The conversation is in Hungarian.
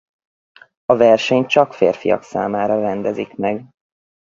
A versenyt csak férfiak számára rendezik meg.